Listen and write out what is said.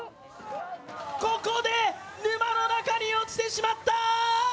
ここで沼の中に落ちてしまった！